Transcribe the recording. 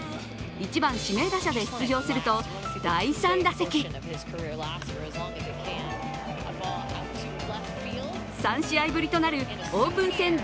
１番、指名打者で出場すると第３打席３試合ぶりとなるオープン戦